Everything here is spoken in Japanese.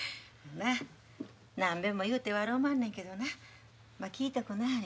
何べんも言うて悪おまんねんけどなまあ聞いとくなはれ。